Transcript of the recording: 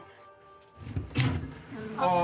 ああ。